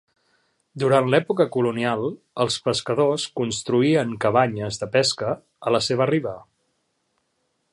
Durant l'època colonial, els pescadors construïen cabanyes de pesca a la seva riba.